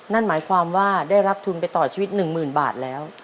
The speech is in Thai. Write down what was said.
นั่นหมายความว่าได้รับทุนไปต่อชีวิต๑๐๐๐บาทแล้ว